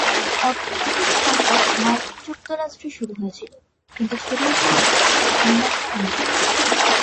অর্থনৈতিক সঙ্কট মার্কিন যুক্তরাষ্ট্রে শুরু হয়েছিল কিন্তু ছড়িয়ে পড়েছিল বিশ্বের অন্যান্য অঞ্চলে।